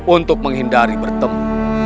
untuk menghindari bertemu